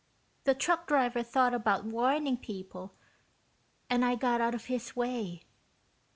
The truck driver thought about warning people and I got out of his way.